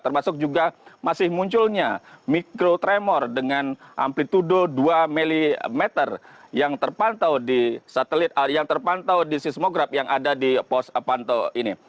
termasuk juga masih munculnya mikrotremor dengan amplitude dua mm yang terpantau di seismograf yang ada di pos panto ini